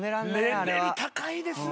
レベル高いですね。